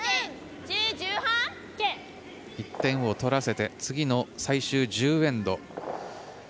１点を取らせて次の最終１０エンド。